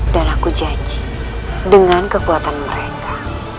dan aku janji dengan kekuatan mereka